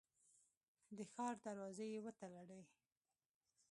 د ښار دروازې یې وتړلې.